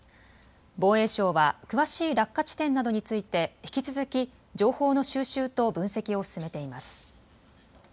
防衛省は詳しい落下地点などについて引き続き情報の収集と分析を進めています。